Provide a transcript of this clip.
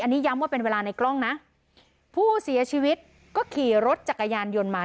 อันนี้ย้ำว่าเป็นเวลาในกล้องนะผู้เสียชีวิตก็ขี่รถจักรยานยนต์มา